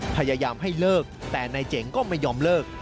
พยายามให้เลิกแต่นายเจ๋งก็ไม่ยอมเลิก